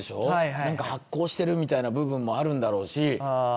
はいはいはいなんか発酵してるみたいな部分もあるんだろうしあ